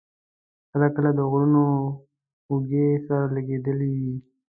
کله کله د غرونو اوږې سره لګېدلې وې.